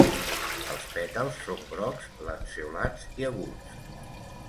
Els pètals són grocs, lanceolats i aguts.